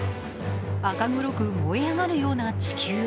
赤黒く燃え上がるような地球。